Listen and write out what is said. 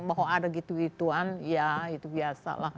bahwa ada gitu gituan ya itu biasa lah